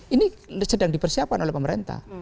ini sedang dipersiapkan oleh pemerintah